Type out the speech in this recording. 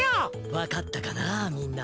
わかったかなみんな。